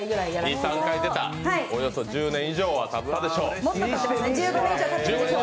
およそ１０年以上はたったでしょう。